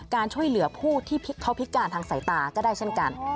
การช่วยเหลือผู้ที่เขาพิการทางสายตาก็ได้เช่นกัน